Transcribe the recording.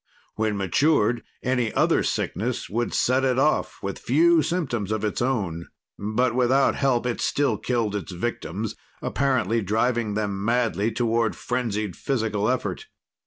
When matured, any other sickness would set it off, with few symptoms of its own. But without help, it still killed its victims, apparently driving them madly toward frenzied physical effort.